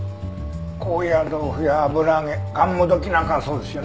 高野豆腐や油揚げがんもどきなんかがそうですよね。